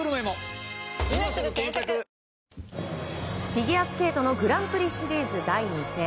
フィギュアスケートのグランプリシリーズ第２戦。